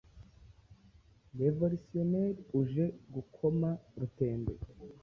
Revolisiyoneri uje gukoma rutenderi